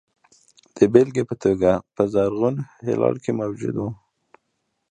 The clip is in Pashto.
د بېلګې په توګه په زرغون هلال کې موجود وو.